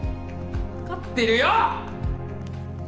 ・分かってるよ！